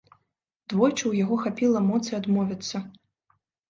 Двойчы ў яго хапіла моцы адмовіцца.